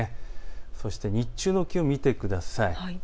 そして日中の気温を見てください。